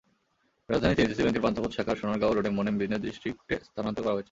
রাজধানীতে এনসিসি ব্যাংকের পান্থপথ শাখাটি সোনারগাঁও রোডে মোনেম বিজনেস ডিস্ট্রিক্টে স্থানান্তর করা হয়েছে।